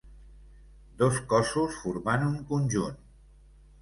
Dos cossos formant un conjunt: